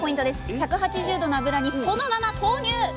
１８０℃の油にそのまま投入！